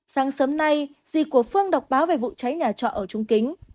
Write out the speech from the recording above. sáng sớm nay di của phương đọc báo về vụ cháy nhà trọ ở trung kính